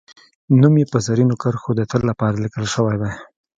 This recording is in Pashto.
نوم یې په زرینو کرښو د تل لپاره لیکل شوی دی